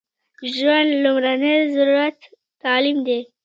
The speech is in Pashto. د ژوند لمړنۍ ضرورت تعلیم دی